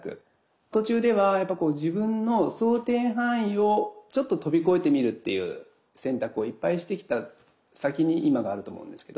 途中ではやっぱこう自分の想定範囲をちょっと飛び越えてみるっていう選択をいっぱいしてきた先に今があると思うんですけど。